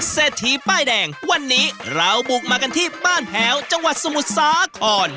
เศรษฐีป้ายแดงวันนี้เราบุกมากันที่บ้านแพ้วจังหวัดสมุทรสาคร